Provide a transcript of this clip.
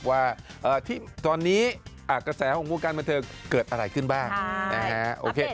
ว่าที่ตอนนี้กระแสของวงการบันเทิงเกิดอะไรขึ้นบ้างนะฮะโอเค